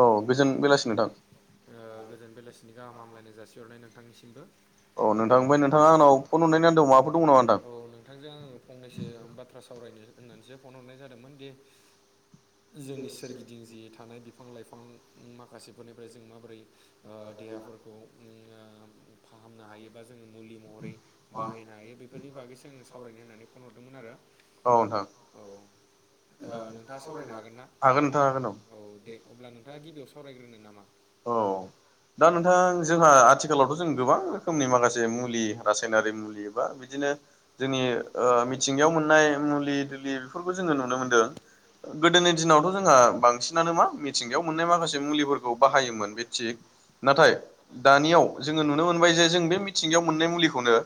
औ गोजोन बेलासि नोंथां। ओ गोजोन बेलासिनि गाहाम हामलायनाय जासिहरनाय नोंथांनिसिमबो। औ नोंथां ओमफाय नोंथा आनाव फन हरनायनि आन्दोआव माफोर दङ नोंथां? औ नोंथांजों आङो फंनैसो बाथ्रा सावरायनो होननानैसो फन हरनाय जादोंमोन दि जोंनि सोरगिदिं जि थानाय बिफां लाइफां माखासेफोरनिफ्राय जों माबोरै ओ देहाफोरखौ उम ओ फाहामनो हायोबा जोङो मुलि महरै बाहायनो हायो बेफोरनि बागैसो आङो सावरायनो होननानै फन हरदोंमोन आरो। औ ओ नोंथाङा सावरायनो हागोन ना? औ दे अब्ला नोंथाङा गिबियाव सावरायग्रोनो नामा? औ दा नोंथां जोंहा आथिखालावथ' जों गोबां रोखोमनि माखासे मुलि रासायनारि मुलि लि बा बिदिनो जोंनि ओ मिथिंगायाव मोननाय मुलि दुलि बेफोरखौ जोङो नुनो मोनदों। गोदोनि दिनावथ' जोंहा बांसिनानो मा मिथिंगायाव मोननाय माखासे मुलिफोरखौ बाहायोमोन बे थिग नाथाय दानियाव जोङो नुनो मोनबाय जे जों बे मिथिंगायाव मोननाय मुलिखौनो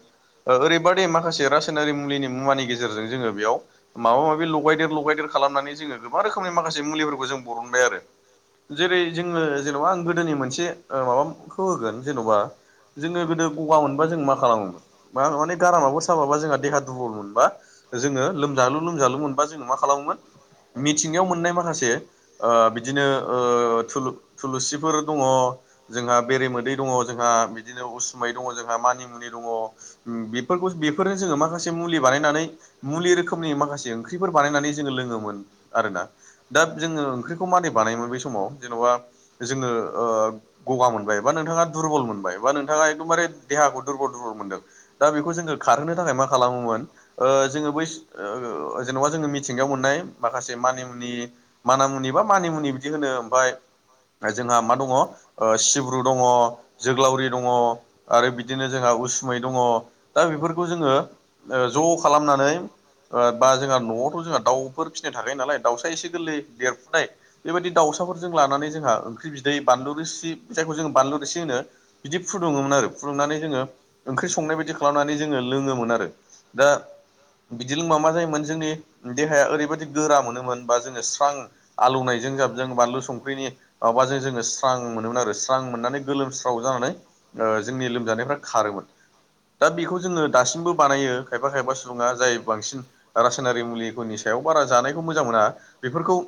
ओ ओरैबादि माखासे रासायनारि मुलिनि मुवानि गेजेरजों जोङो बेयाव माबा माबि लगायदेर लगायदेर खालामनानै जोङो गोबां रोखोमनि माखासे मुलिफोरखौ जों बरनबाय आरो। जेरै जोङो जेन'बा आं गोदोनि मोनसे माबाखौ होगोन जेन'बा जोङो गोदो गगा मोनबा जों मा खालामोमोन मा माने गारामाफोर साबाबा जोंहा देहा दुरबल मोनबा जोङो लोमजालु लोमजालु मोनबा जोङो मा खालामोमोन मिथिंगायाव मोननाय माखासे बिदिनो ओ थुलुसिफोर दङ जोंहा बेरेमोदै दङ जोंहा बिदिनो उसुमै दङ जोंहा मानिमुनि दङ बेफोरखौ बेफोरनो जोङो माखासे मुलि बानायनानै मुलि रोखोमनि माखासे ओंख्रिफोर बानायनानै जोङो लोङोमोन आरोना। दा जोङो ओंख्रिखौ मादै बानायोमोन बे समाव जेन'बा जोङो गगा मोनबाय बा नोंथाङा दुरबल मोनबाय बा नोंथाङा एकदमबारे देहाखौ दुरबल दुरबल मोनदों दा बेखौ जोङो खारहोनो थाखाय मा खालामोमोन ओ जोङो बैस ओ जेन'बा जोङो मिथिंगायाव मोननाय माखासे मानि मुनि माना मुनि बा मानिमुनि बिदि होनो ओमफ्राय जोंहा मा दङ सिब्रु दङ जोग्लावरि दङ आरो बिदिनो जोंहा उसुमै दङ दा बेफोरखौ जोङो ओ ज' खालामनानै ओ बा जोंहा न'आवथ' जोंहा दाउफोर फिसिनाय थाखायो नालाय दाउसा एसे गोरलै देरफुनाय बेबायदि दाउसाफोरजों लानानै जोंहा ओंख्रि बिदै बानलुरि रोसि जायखौ जोङो बानलु रोसि होनो बिदि फुदुंङोमोन आरो फुदुंनानै जोङो ओंख्रि संनाय बायदि खालामनानै जोङो लोङोमोन आरो। दा बिदि लोंबा मा जायोमोन जोंनि देहाया ओरैबायदि गोरा मोनोमोन बा जोङो स्रां आलौनायजों जाबजों बानलु संख्रिनि माबाजों जोङो स्रां मोनोमोन आरो स्रां मोननानै गोलोमस्राव जानानै ओ जोंनि लोमजानायफ्रा खारोमोन। दा बेखौ जोङो दासिमबो बानायो खायफा खायफा सुबुङा जाय बांसिन रासायनारि मुलिफोरनि सायाव बारा जानायखौ मोजां मोना बेफोरखौ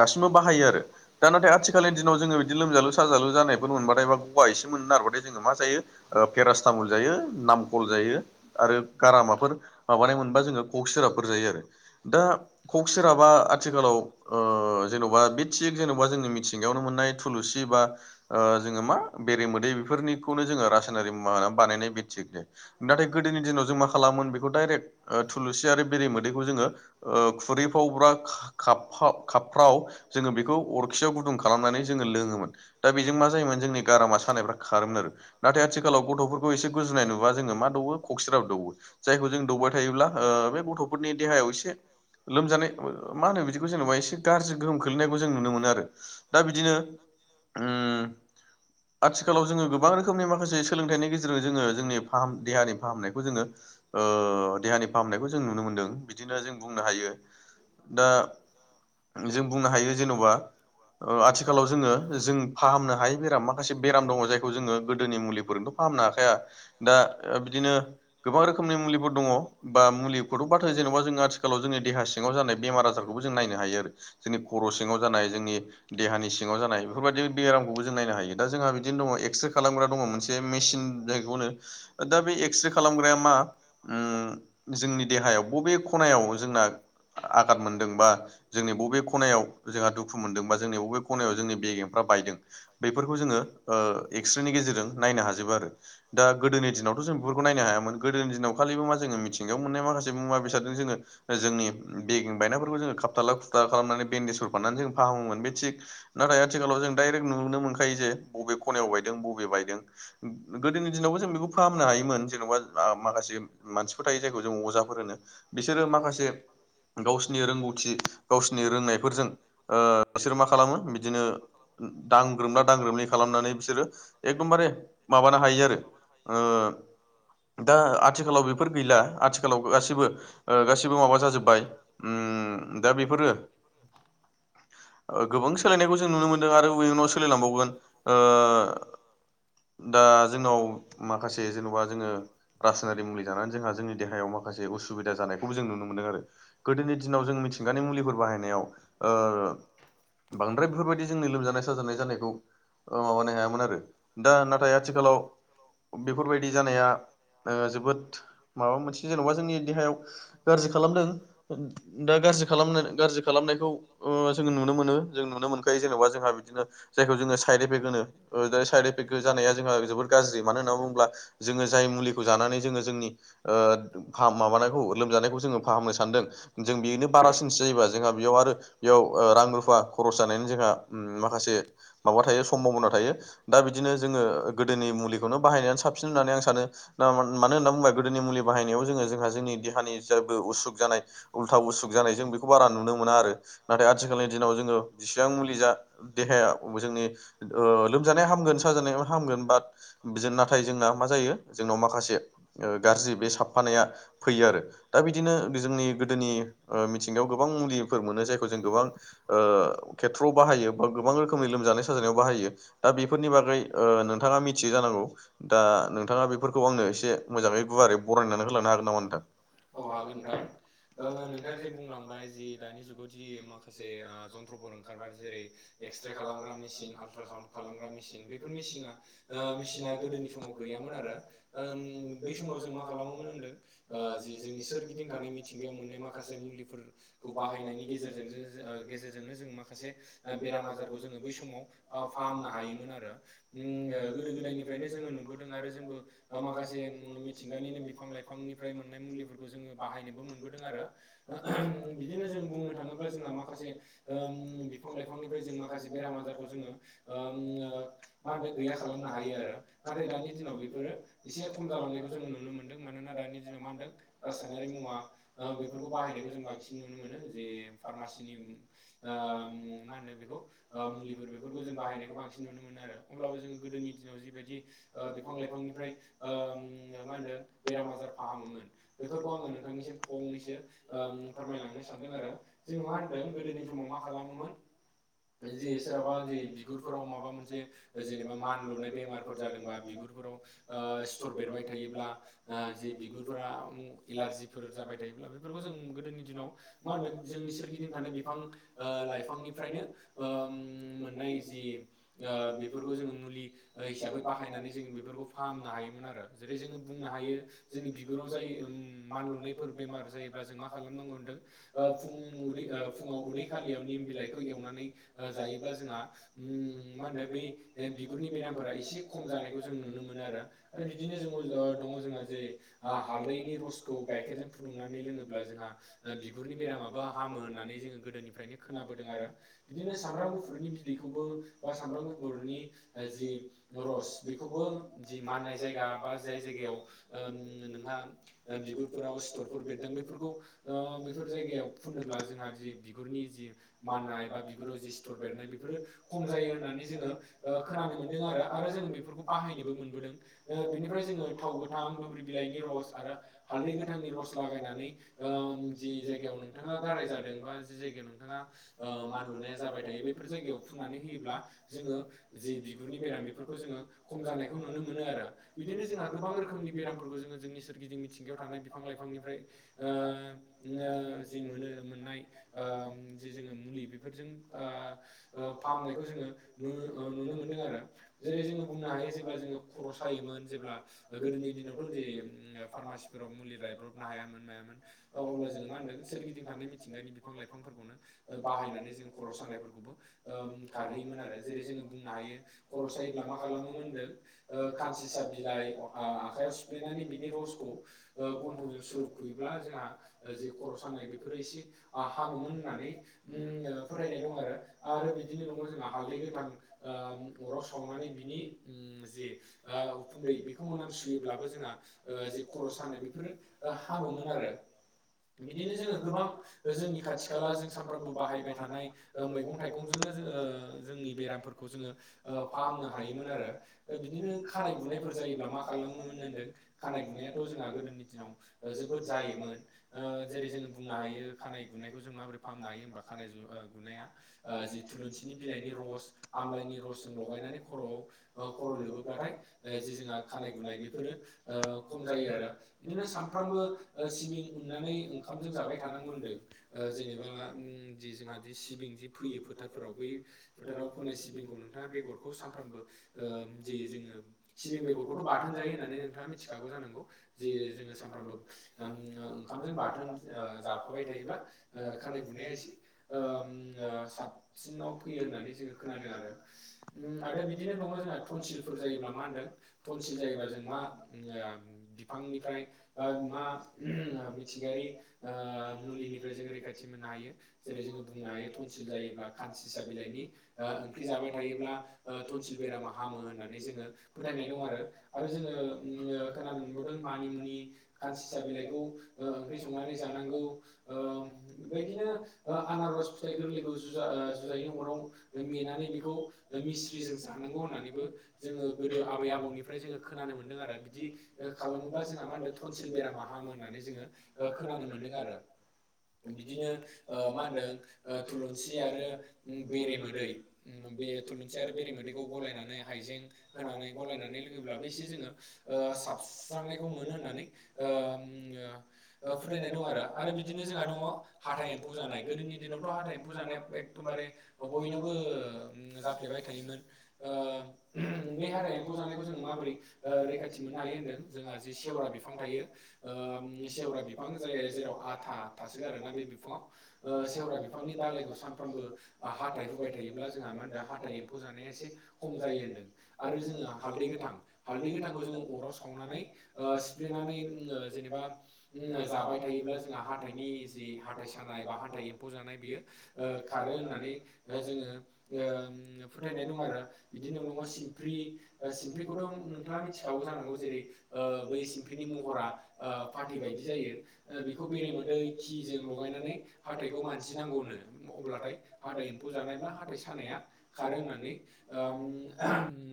दासिमबो बाहायो आरो दा नाथाय आथि खालि दिनाव जोङो बिदि लोमजालु साजालु जानायफोर मोनबथायबा गवा एसे मोननो नारबथाय जोङो मा जायो ओ पेरासटामल जायो नामखल जायो आरो गारामाफोर माबानाय मोनबा जोङो कक सेराबफोर जायो आरो दा कक सिराबा आथिखालाव ओ जेन'बा बि थिग जेन'बा जोंनि मिथिंगायावनो मोननाय थुलुसि बा ओ जोङो मा बेरे मोदै बेफोरनिखौनो जोङो रासायनारि मा होनो बानायनाय बेथिग दे। नाथाय गोदोनि दिनाव जों मा खालामोन बेखौ डायरेक्ट थुलुसि आरो बेरे मोदैखौ जोङो ओ खुरैफ्राव ब्रा कापाव कापफ्राव जोङो बेखौ अरखियाव गु दुं खालामनानै जोङो लोङोमोन दा बेजों मा जायोमोन जोंनि गारामा सानायफ्रा खारोमोन आरो। नाथाय आथिखालाव गथ'फोरखौ एसे गोजुनाय नुबा जोङो मा दौओ कक सिराप दौओ। जायखौ जों दौबाय थायोब्ला ओ बे गथ'फोरनि देहायाव एसे लोमजानाय मा होनो बिदिखौ जेनेबा एसे गाज्रि गोहोम खोलैनायखौ जों नुनो मोनो आरो। दा बिदिनो उम आथिखालाव जोङो गोबां रोखो खोमनि माखासे सोलोंथाइनि गेजेरजों जोङो जोंनि फाहाम देहानि फाहामनाय खौ जोङो ओ देहानि फाहामनायखौ जों नुनो मोनदों बिदिनो जों बुंनो हायो दा जों बुंनो हायो जेन'बा ओ आथिखालाव जोङो जों फाहामनो हायै बेराम माखासे बेराम दङ जायखौ जोङो गोदोनि मुलिफोरजोंथ' फाहामनो हाखाया दा बिदिनो गोबां रोखोमनि मुलिफोर दङ बा मुलिखौथ' बाथ हो जेनेबा जों आथिखालाव जोंनि देहा सिङाव जानाय बेमार आजारखौबो जों नायनो हायो आरो। जोंनि खर' सिङाव जानाय जोंनि देहानि सिङाव जानाय बेफोरबायदि बेरामखौबो जों नायनो हायो दा जोंहा बिदिनो दङ एक्सरे खालामग्रा दङ मोनसे मेसिन जायखौ होनो दा बे एक्सरे खालामग्राया मा उम जोंनि देहायाव बबे खनायाव जोंना आघाद मोनदोंबा जोंनि बबे खनायाव जोंहा दुखु मोनदोंबा जोंनि बबे खनायाव जोंनि बेगेंफ्रा बायदों बेैफोरखौ जोङो एक्स्रे नि गेजेरजों नायनो हाजोबो आरो दा गोदोनि दिनावथ' जों बेफोरखौ नायनो हायामोन गोदोनि दिनाव खालिबो मा जोङो मिथिंगायाव मोननाय माखासे मुवा बेसादजों जोङो जोंनि बेगें बायनायफोरखौ जोङो खाबथाला खुबथाब खालामनानै बेन्देज हरफाननानै जों फाहामोमोन बे थिग नाथाय आथिखालाव जों डाइरेक्ट नुनो मोनखायो जे बबे खनायाव बायदों बबे बायदों गो-गोदोनि दिनावबो जों बेखौ फाहामनो हायोमोन जेन'बा आ माखासे मानसिफोर थायो जायखौ जों अजाफोर होनो बिसोरो माखासे गावसिनि रोंगौथि गावसिनि रोंनायफोरजों ओ बिसोर मा खालामो बिदिनो दांग्रोमला दांग्रोमलि खालामनानै बिसोरो एकदमबारे माबानो हायो आरो ओ दा आथिखालाव बेफोर गैला आथिखालाव गासिबो गासिबो माबा जाजोब्बाय दा बेफोरो गोबां सोलायनायखौ जों नुनो मोन्दों आरो इयुन सोलायलांबावगोन दा जोंनाव माखासे जेन'बा जोङो रासायनारि मुलि जानानै जोंहा जोंनि देहायाव माखासे उसुबिदा जानायखौबो जों नुनो मोनदों आरो गोदोनि दिनाव जों मिथिंगानि मुलिफोर बाहायनायाव बांद्राय बेफोरबायदि जोंनि लोमजानाय साजानाय जानायखौ माबानो हायामोन आरो दा नाथाय आथिखालाव बेफोरबायदि जानाया जोबोद माबा मोनसे जेन'बा जोंनि देहायाव गाज्रि खालामदों दा गाज्रि खालामनाय गाज्रि खालामनायखौ जोङो नुनो मोनो जों नुनो मोनखायो जेनेबा जोंहा बिदिनो जायखौ जोङो साइड इफेक्ट होनो साइड इफेक्ट जानाया जोंहा जोबोर गाज्रि मानो होनना बुङोब्ला जोङो जाय मुलिखौ जानानै जोङो जोंनि फाह माबानायखौ लोमजानायखौ जोङो फाहामनो सानदों जों बेनो बारासिनसो जायोबा जोंहा बेयाव आरो बेयाव रां रुफा खरस जानायनि जोंहा माखासे माबा थायो सम्भाबना थायो दा बिदिनो जोङो गोदोनि मुलि बेखौनो बाहायनायनानै साबसिन होननानै आं सानो मानो होनना बुङोबा गोदोनि मुलि बाहायनायाव जोङो जोंहा जों देहानि जेबो उसुख जानाय उल्था उसुक जानाय जों बेखौ बारा नुनो मोना आरो नाथाय आथिखालनि दिनाव जोङो मुलि देहाया जोंनि लोमजानाय हामगोन साजानाय हामगोन बाट बि नाथाय जोंना मा जायो जोंनाव माखासे गाज्रि बे साबफानाया फैयो आरो दा बिदिनो जोंनि गोदोनि मिथिंगायाव गोबां मुलिफोर मोनो जायखौ जों गोबां खेथ्र'आव बाहायो बा गोबां रोखोमनि लोमजानाय साजानायाव बाहायो दा बेफोरनि बागै नोंथाङा मिथियो जानांगौ दा नोंथाङा बे फोरखौ आंनो एसे मोजाङै गुवारै बरायनानै होलांनो हागोन नामा नोंथां औ हागोन नोंथां ओ नोंथाङा जि बुंलांबाय जि दानि जुगाव जि माखासे जन्त्र'फोर ओंखारबाय जेरै एक्सरे खालामग्रा मेसिन आल्ट्रा साउन्ड खालामग्रा मेसिन बेफोर मेसिना मेसिना गोदोनि समाव गैयामोन आरो बै समाव जों मा खालामोमोन होनदों जोंनि सोरगिदिं थानाय मिथिंगायाव मोननाय माखासे मुलिफोरखौ बाहायनायनि गेजेरजोंनो जों माखासे मासे बेराम आजारखौ जोङो बै समाव फाहामनो हायोमोन आरो गोदो गोदायनिफ्राय नो जोङो नुबोदों आरो जोंबो माखासे मिथिंगानिनो बिफां लाइफांनिफ्राय मोननाय मुलि जोङो बाहायनोबो मोनबोदों आरो बिदिनो जोङो बुंनो थाङोब्ला जोंना माखासे ओम बिफां लाइफांनिफ्राय जों माखासे बेराम आजारखौ जोङो मा होनो गैया खालामनो हायो आरो नाथाय दानि दिनाव बेफोरो एसे खम जालांनायखौ जोङो नुनो मोनदों मानोना दानि दिनाव मा होनदों रासायनारि मुवा बेफोरखौ बाहायनायखौ जों बांसिन नुनो मोनो जे फार्मासिनि ओम मा होनो बेखौ मुलि बेफोरखौ जों बाहायनायखौ बांसिन नुनो मोनो आरो अब्लाबो जोङो गोदोनि दिनाव जिबायदि बिफां लाइफांनिफ्राय मा होनदों बेराम आजार फाहामोमोन बेफोरखौ आङो नोंथांनिसिम फंनैसो ओ फोरमायलांनो सानदों आरो जोङो मा होनदों गोदोनि समाव मा खालामोमोन जे सोरहाबा जे बिगुरफोराव माबा मोनसे जेनेबा मानलुनाय बेमारफोर जादोंबा बिगुरफोराव ओ सिथर बेरबाय थायोब्ला ओ जि बिगुरफोरा एलारजिफोर जाबाय थायोब्ला बेफोरखौ जों गोदोनि दिनाव मा होनदों जोंनि सोरगिदिं थानाय बिफां ओ लाइफांनिफ्रायनो ओम मोननाय जि बेफोरखौ जोङो मुलि हिसाबै बाहायनानै जों बेफोरखौ फाहामनो हायोमोन आरो जेरै जोङो बुंनो हायो जोंनि बिगुराव जाय उम मानलुनायफोर बेमार जायोब्ला जों मा खालामनांगौ होनदों ओ फुं उदै फुं फुङाव उदै खालियाव निम बिलाइखौ एव नानै ओ जायोब्ला जोंहा उम माहोनदों बै ओ बिगुरनि बेरामफोरा एसे खम जानायखौ जों नुनो मोनो आरो बिदिनो जोङ दङ जोंहा जे हालदैनि रस खौ गाइखेरजों फुदुंनानै लोङोब्ला जोंहा बिगुरनि बेरामाबो हामो होननानै जोङो गोदनिफ्रायनो खोनाबोदों आरो। बिदिनो सामब्राम गुफुरनि बिदैखौबो बा सामब्राम गुफुरनि जि रस बेखौबो जि माननाय जायगा बा जाय जायगायाव ओम नोंहा बिगुरफोराव स्थरफोर बेरदों बेफोरखौ ओ बेफोर जायगायाव फुनोब्ला जोंहा जि बिगुरनि जि माननाय बा बि बिगुराव जि सिथर बेरनाय बेफोरो खम जायो होननानै जोङो ओ खोनानो मोनदों आरो बेफोरखौ बाहायनोबो मोनबोदों बेनिफ्राय जोङो थाव गोथां दुब्रि बिलाइनि रस आरो हालदै गोथांनि रस लागायनानै ओम जि जायगायाव नोंथाङा गाराय जादों बा जि जायगायाव नोंथाङा ओ मान लुनाया जाबाय थायो बेफोर जायगायाव फुननानै होयोब्ला जोङो जि बिगुरनि बेराम बेफोरखौ जोङो खम जानायखौ नुनो मोनो आरो बिदिनो जोंहा गोबां रोखोमनि बेरामफोरखौ जोङो जोंनि सोरगिदिं मिथि गायाव थानाय बिफां लाइफांनिफ्राय ओ ओ जि मोनो मोननाय ओम जि जोङो मुलि बेफोरजों ओ ओ फाहामनायखौ जोङो नु नुनो मोनदों आरो जेरै जोङो बुंनो हायो जेब्ला जोङो खर' सायोमोन जेब्ला गोदोनि दिनावथ' जे फार्मासि फोराव मुलि लायब्रबनो हायामोन मायामोन अब्ला जोङो मा होनदों सोरगिदिं थानाय मिथिंगानि बिफां लाइफांफोरखौनो बाहायनानै जों खर' सानायफोरखौबो ओ खारहैयोमोन आरो जेरै जोङो बुंनो हायो खर' सायोब्ला मा खालामोमोन होनदों ओ खानसिसा बिलाइ आखाइयाव सिफ्लेनानै बिनि रसखौ ओ गन्थंजों सुुरुप खुयोब्ला जोंहा जि खर' सानाय बेफोरो एसे हामोमोन होननानै [unintelligible] फोथायनाय दं आरो आरो बिदिनो दङ जोंहा हालदै गोथां ओ अराव सावनानै बिनि उम जि ओ उखुन्दै बेखौ मोनाम सुयोब्लाबो जोंहा ओ जे खर' सानाय बेफोरो हामोमोन आरो। बिदिनो जोङो गोबां जोंनि खाथि खाला जों सानफ्रामबो बाहायबाय था नाय मैगं थाइगंजोंनो जोङो जोंनि बेरामफोरखौ जोङो ओ फाहामनो हायोमोन आरो। बिदिनो खानाय गुनायफोर जायोब्ला मा खालामोमोन होनदों खानाय गुनायाथ' जोंहा गोदोनि दिनाव जोबोद जायोमोन। ओ जेरै जोङो बुंनो हायो खानाय गुनायखौ जों माबोरै फाहामनो हायो होमबा खानाय गुनाया जि थुलुंसिनि बिलाइनि रस आमलाइनि रसजों लगायनानै खर'आव खर' लोबोब्लाथाय ओ जे जोंहा खानाय गुनाय बेफोरो ओ खम जायो आरो बिदिनो सामफ्रामबो सिबिं उनानै ओंखामजों जाबाय थानांगौ होन्दों। ओ जेनेबा उम जि जोंहा दि सिबिं जि फैयो फोथारफोराव बै फोथाराव फोनाय सिबिंखौ नोंथाङा बेगरखौ सानफ्रामबो ओ जि जोङो सिबिं बेगरखौथ' बाथोन जायो होननानै नोंथाङा मिथि खागौ जानांगौ जे जोङो सानफ्रामबो उम ओंखामजों बाथोन जाफाबाय थायोब्ला ओ खानाय बुनाया एसे ओ उम साबसिनाव फैयो होननानै जोङो खोनादों आरो आरो बिदिनो दङ जोंहा तनसिलफोर जायोब्ला मा होनदों तनसिल जायोबा जों मा बिफांनिफ्राय बा मा मिथिंगायारि मुलिनिफ्राय जों रैखाथि मोननो हायो जेरै जोङो बुंनो हायो तनसिल जायोब्ला खानसिसा बिलाइनि ओंख्रि जाबाय थायोब्ला तनसिल बेरामा हामो होननानै जोङो फोथायनाय दं आरो आरो जोङो खोनानो मोनबावदों मानि-मुनि खानसिसा बिलाइखौ ओंख्रि संनानै जानांगौ बेदिनो आनारस फिथाइ गोरलैखौ जुजा जुजायनि अराव मेनानै बेखौ मिस्रिजों जानांगौ होननानैबो जोङो गोदो आबै आबौनिफ्राय जोङो खोनानो मोनदों आरो बिदि खालामोब्ला जोंहा मा होनदों तनसिल बेरामा हामो होननानै जोङो खोनानो मोन्दों आरो बिदिनो मा होनदों थुलुंसि आरो बेरेमोदै बे थुलुंसि आरो बेरेमोदैखौ गलायनानै हाइजें होनानै गलायनानै लोङोब्लाबो एसे जोङो साबस्रांनायखौ मोनो होननानै फोथायनाय दं आरो। आरो बिदिनो जोंहा दङ हाथाय एम म्फौ जानाय गोदोनि दिनावथ' हाथाइ एम्फौ जानाया एखदमबारे बयनावबो जाफ्लेबाय थायोमोन बे हाथाय एम्फौ जानायखौ जोङो माबोरै रैखाथि मोननो हायो होन्दों जोंहा जे सेवरा बिफां थायो सेवरा बिफां जायो जेराव आथा थासोगारोना बे बिफाङाव सेवरा बिफांनि दालायखौ सानफ्रोमबो हाथाय हुबाय थायोब्ला जोंहा मा होनदों हाथाय एम्फौ जानाया एसे खम जायो होनदों आरो जोङो हालदै गोथां हालदै गो थांखौ जोङो अराव सावनानै सिफ्लेनानै जेनेबा जाबाय थायोब्ला जोंहा हाथाइनि जि हाथाय बा हाथाय एम्फौ जानाय बेयो खारो होन्नानै जोङो फोथायनाय दं आरो बिदिनि उनाव सिमफ्रि सिमस्फ्रिखौथ' नोंथाङा थिखागौ जानांगौ जेरै बेखौ बेरेमोदै खि जोंल' लगायनानै हाथाइखौ मानजिनांगौनो अब्लाथाय हाथाइ एम्फौ जानायब्ला हाथाय सानाया खारो होननानै